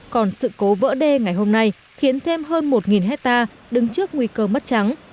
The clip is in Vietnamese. còn sự cố vỡ đê ngày hôm nay khiến thêm hơn một hectare đứng trước nguy cơ mất trắng